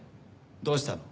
どうしたの？